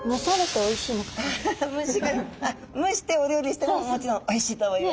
アハハムシガレイあっ蒸してお料理してももちろんおいしいと思います。